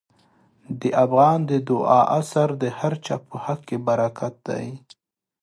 د افغان د دعا اثر د هر چا په حق کې برکت دی.